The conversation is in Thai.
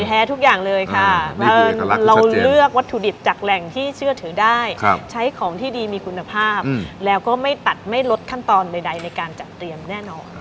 แท้ทุกอย่างเลยค่ะเราเลือกวัตถุดิบจากแหล่งที่เชื่อถือได้ใช้ของที่ดีมีคุณภาพแล้วก็ไม่ตัดไม่ลดขั้นตอนใดในการจัดเตรียมแน่นอน